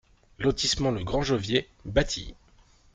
Lotissement Le Grand Jovier, Batilly